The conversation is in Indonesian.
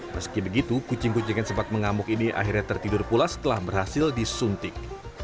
meski begitu kucing kucing yang sempat mengamuk ini akhirnya tertidur pula setelah berhasil disuntik